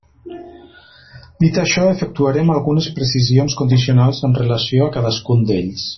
Dit això, efectuarem algunes precisions condicionals amb relació a cadascun d'ells.